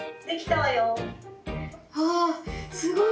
「わすごい。